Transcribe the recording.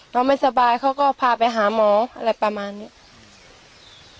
เราไม่สบายเขาก็พาไปหาหมออะไรประมาณนี้